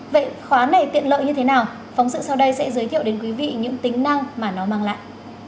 vậy khóa này tiện lợi như thế nào phóng sự sau đây sẽ giới thiệu đến quý vị những tính năng mà nó mang lại